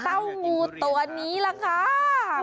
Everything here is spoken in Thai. เต้างูตัวนี้ละครับ